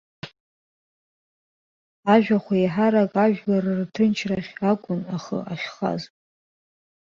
Ажәахә еиҳарак жәлар рырҭынчхарахь акәын ахы ахьхаз.